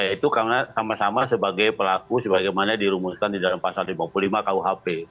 itu karena sama sama sebagai pelaku sebagaimana dirumuskan di dalam pasal lima puluh lima kuhp